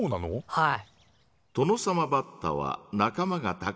はい。